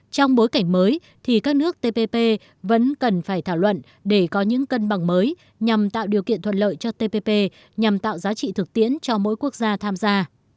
trong bối cảnh mới thì các nước tpp vẫn cần phải thảo luận để có những cân bằng mới nhằm tạo điều kiện thuận lợi cho tpp nhằm tạo giá trị thực tiễn cho mỗi quốc gia tham gia